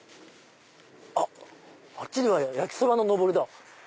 あっあっちには「やきそば」ののぼりだ。